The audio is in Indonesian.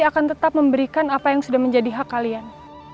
aku akan terus memberikan apa yang jadinya hak kalian